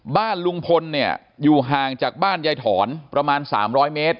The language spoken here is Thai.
บ้านลุงพลเนี่ยอยู่ห่างจากบ้านยายถอนประมาณ๓๐๐เมตร